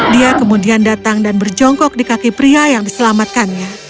dia kemudian datang dan berjongkok di kaki pria yang diselamatkannya